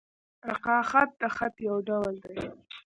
رِقاع خط؛ د خط یو ډول دﺉ.